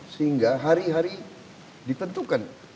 sehingga hari hari ditentukan